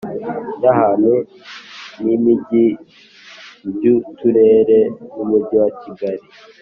y ahantu n imijyi iby Uturere n Umujyi wa kigali